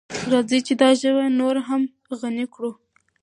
راځئ چې دا ژبه نوره هم غني کړو.